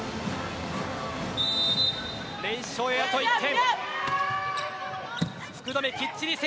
連勝へ、あと１点。